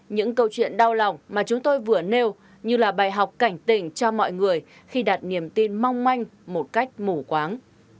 những câu chuyện đau lòng mà chúng tôi vừa nêu như là bài học cảnh tỉnh cho mọi người khi đặt niềm tin mong manh một cách mù quáng